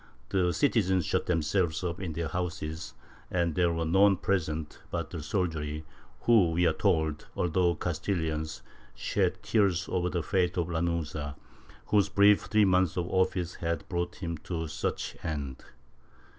The citizens shut themselves up in their houses and there were none present but the soldiery who, we are told, although Castilians, shed tears over the fate of Lanuza, whose brief three months of office had brought him to such end.